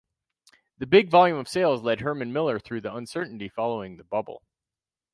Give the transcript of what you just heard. The big volume of sales led Herman Miller through the uncertainty following the bubble.